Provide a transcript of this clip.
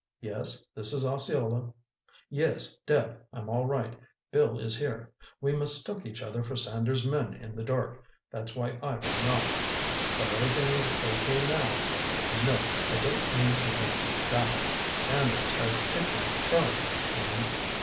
"Yes, this is Osceola. Yes, Deb, I'm all right. Bill is here. We mistook each other for Sanders' men in the dark—that's why I rang off. But everything is okay now. No, I don't mean exactly that ... Sanders has kidnapped Charlie and....